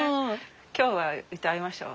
今日は歌いましょう。